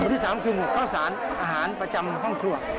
ที่๓คือข้าวสารอาหารประจำห้องครัว